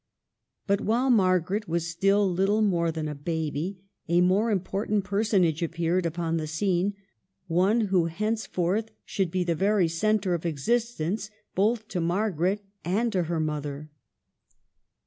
But while Margaret was still little more than a baby a more important personage appeared upon the scene, one who henceforth should be the very centre of existence both to Margaret and to her mother CHILDHOOD AND MARRIAGE.